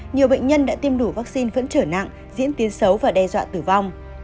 nhiều bệnh nhân đã tiêm đủ vaccine vẫn trở nặng diễn tiến xấu và đe dọa tử vong